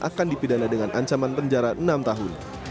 akan dipidana dengan ancaman penjara enam tahun